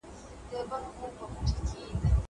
زه هره ورځ اوبه پاکوم!